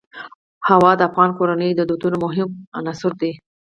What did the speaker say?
هوا د افغان کورنیو د دودونو مهم عنصر دی.